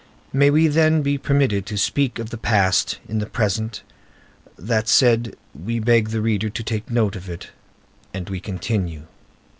May we, then, be permitted to speak of the past in the present? That said, we beg the reader to take note of it, and we continue.